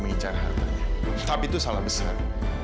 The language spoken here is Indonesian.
mengincar hartanya tapi itu salah besar